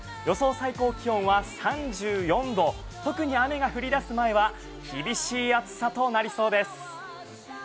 最高気温は３４度、特に雨が降りだす前は厳しい暑さとなりそうです。